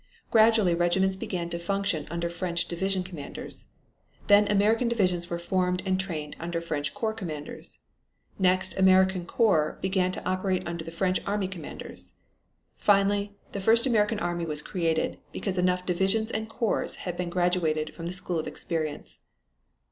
Gradually regiments began to function under French division commanders. Then American divisions were formed and trained under French corps commanders. Next, American corps began to operate under French army commanders. Finally, the first American army was created, because enough divisions and corps had been graduated from the school of experience.